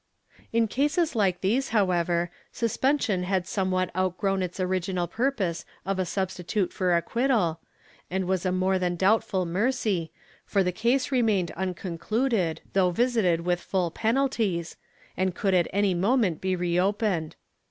^ In cases Uke these, however, suspension had somewhat out grown its original purpose of a substitute for acquittal, and was a more than doubtful mercy, for the case remained unconcluded, though visited with full penalties, and could at any moment be reopened.